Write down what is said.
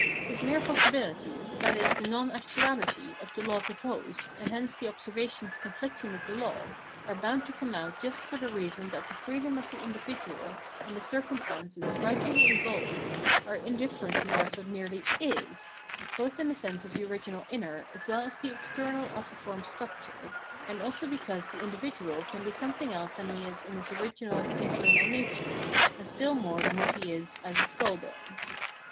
This mere possibihty, i.e. the non actuahty, of the law proposed, and hence the observations conflicting with the law, are bound to come out just for the reason that the freedom of the individual and the circumstances gradually evolved are indifferent towards what merely is, both in the sense of the original umer as well as the external ossiform structure, and also because the in dividual can be something else than he is in his original internal natiire, and still more than what he is as a skuU bone.